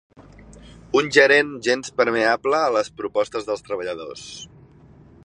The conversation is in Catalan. Un gerent gens permeable a les propostes dels treballadors.